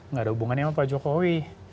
nggak ada hubungannya sama pak jokowi